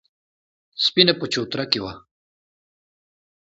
سفينه په چوتره کې وه.